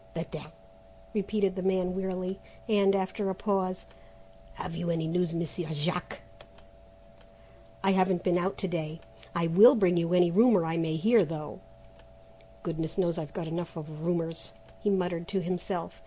"Better," repeated the man wearily; and, after a pause, "Have you any news, Monsieur Jack?" "I haven't been out to day. I will bring you any rumour I may hear, though goodness knows I've got enough of rumours," he muttered to himself.